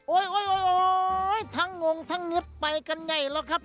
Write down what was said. โอ๊ยทั้งงงทั้งงิบไปกันใหญ่แล้วครับ